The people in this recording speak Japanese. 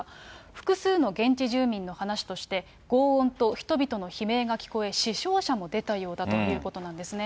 複数の現地住民の話として、ごう音と人々の悲鳴が聞こえ、死傷者も出たようだということなんですね。